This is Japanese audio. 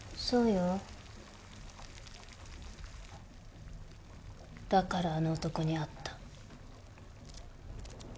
だからあの男に会った。